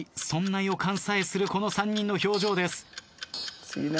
そんな予感さえするこの３人の表情です。